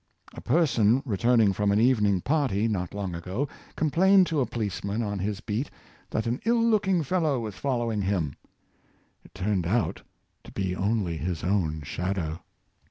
A person re turning from an evening party not long ago, com plained to a policeman on his beat that an ill looking fellow was following him; it turned out to be only his own shadow!